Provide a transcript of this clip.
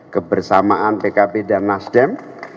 kebersamaan pkb dan nasdem